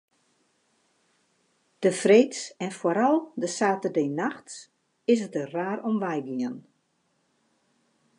De freeds en foaral de saterdeitenachts is it der raar om wei gien.